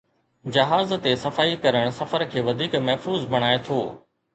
جهاز تي صفائي ڪرڻ سفر کي وڌيڪ محفوظ بڻائي ٿو